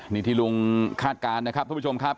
นี่ที่ลุงคาดการณ์นะครับทุกผู้ชมครับ